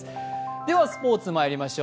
ではスポーツにまいりましょう。